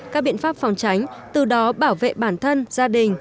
các biện pháp phòng tránh từ đó bảo vệ bản thân gia đình